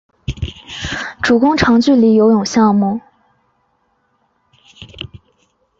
主攻长距离游泳项目。